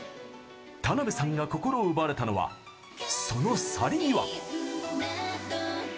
田辺さんが心を奪われたのはその去り際。